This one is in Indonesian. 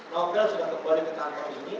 nogel sudah kembali ke kantor ini